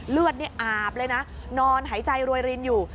เลือดนี่อาบเลยนะนอนหายใจรวยรินอยู่